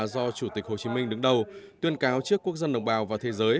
do chủ tịch hồ chí minh đứng đầu tuyên cáo trước quốc dân đồng bào và thế giới